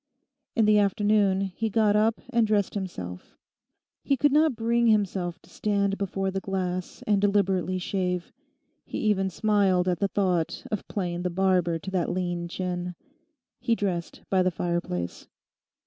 In the afternoon he got up and dressed himself. He could not bring himself to stand before the glass and deliberately shave. He even smiled at the thought of playing the barber to that lean chin. He dressed by the fireplace.